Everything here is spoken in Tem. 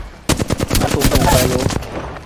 Afobuvalu.